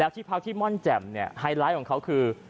แล้วที่พักที่ม่อนแจ่มเนี่ยไฮไลท์ของเขาคือ